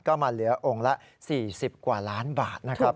ก็มาเหลือองค์ละ๔๐กว่าล้านบาทนะครับ